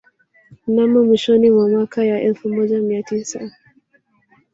Mnamo mwishoni mwa miaka ya elfu moja na mia tisa